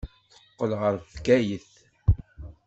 Teqqel ɣer Bgayet.